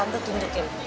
nanti tante tunjukin